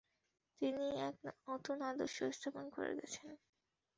তিনি এক নতুন আদর্শ স্থাপন করে গেছেন।